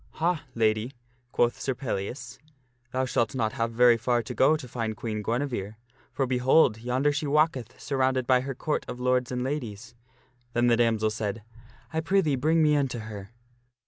" Ha, Lady !" quoth Sir Pellias, " thou shalt not have very far to go to find Queen Guinevere ; for, behold ! yonder she walketh, surrounded by her Court of Lords and Ladies." Then the damsel said, " I prithee bring me unto her."